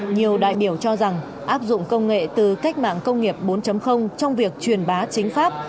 nhiều đại biểu cho rằng áp dụng công nghệ từ cách mạng công nghiệp bốn trong việc truyền bá chính pháp